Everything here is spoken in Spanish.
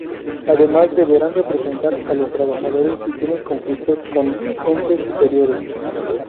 Además deberán representar a los trabajadores si tienen conflictos con entes superiores.